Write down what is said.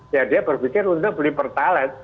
ya dia berpikir untuk beli pertalite